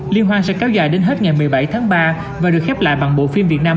liên hoan sẽ kéo dài đến hết ngày một mươi bảy tháng ba và được khép lại bằng bộ phim việt nam